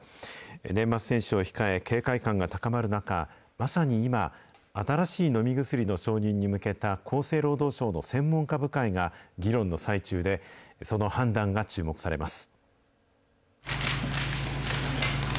年末年始を控え、警戒感が高まる中、まさに今、新しい飲み薬の承認に向けた厚生労働省の専門家部会が議論の最中で、その判断が注目されます。